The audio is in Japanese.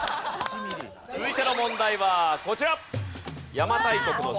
続いての問題はこちら。